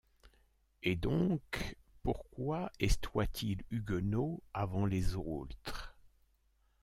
Et doncques pourquoy estoyt-il huguenot avant les aultres ?